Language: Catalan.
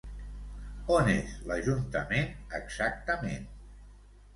On és l'Ajuntament exactament?